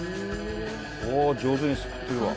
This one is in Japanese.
ああ上手にすくってるわ。